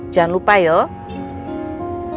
jangan lupa yuk